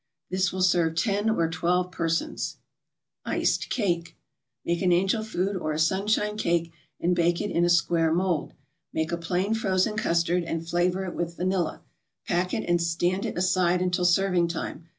This will serve ten or twelve persons. ICED CAKE Make an Angel Food or a Sunshine Cake and bake it in a square mold. Make a plain frozen custard, and flavor it with vanilla; pack it and stand it aside until serving time.